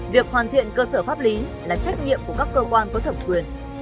việc hoàn thiện cơ sở pháp lý là trách nhiệm của các cơ quan có thẩm quyền